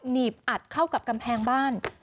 หนีบอัดเข้ากับกำแพงบ้าน